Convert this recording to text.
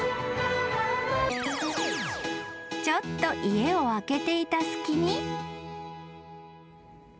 ［ちょっと家を空けていた隙に］